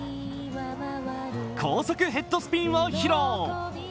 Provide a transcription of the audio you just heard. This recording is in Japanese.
高速ヘッドスピンを披露。